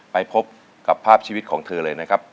ไปพบกับภาพชีวิตของเธอเลยนะครับ